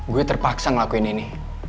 gue terpaksa ngelakuin ini